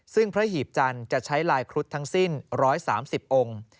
ซึ่งพระหีบจันทร์จะใช้ลายครุฑทั้งสิ้น๑๓๐องค์